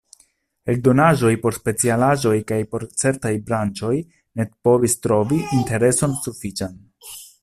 Eldonaĵoj por specialaĵoj kaj por certaj branĉoj ne povis trovi intereson sufiĉan.